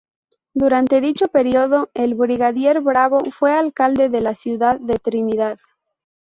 Durante dicho período, el Brigadier Bravo fue alcalde de la ciudad de Trinidad.